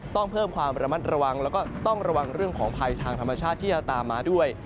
ต้องเพิ่มความระมัดระวังแล้วก็ต้องระวังเรื่องของภัยทางธรรมชาติที่จะตามมาด้วย